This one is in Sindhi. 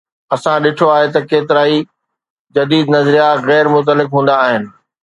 اسان ڏٺو آهي ته ڪيترائي جديد نظريا غير متعلق هوندا آهن.